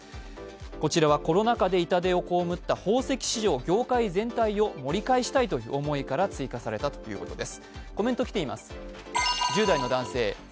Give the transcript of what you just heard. こちらはコロナ禍で痛手を被った宝石市場、業界全体を盛り返したいという思いから追加されたということです。